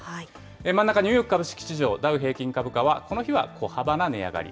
真ん中ニューヨーク株式市場、ダウ平均株価は、この日は小幅な値上がり。